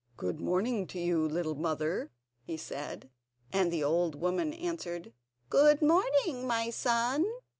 "Good morning to you, little mother," he said; and the old woman answered: "Good morning, my son."